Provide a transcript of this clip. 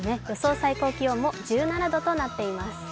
最高気温も１７度となっています。